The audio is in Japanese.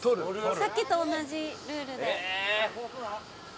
さっきと同じルールで。